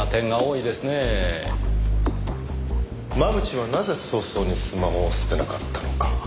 真渕はなぜ早々にスマホを捨てなかったのか？